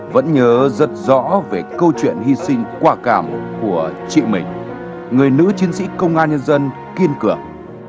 vẫn nhớ rất rõ về câu chuyện hy sinh quả cảm của chị mình người nữ chiến sĩ công an nhân dân kiên cường